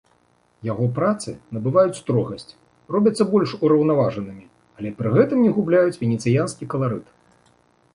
Яго працы набываюць строгасць, робяцца больш ураўнаважанымі, але пры гэтым не губляюць венецыянскі каларыт.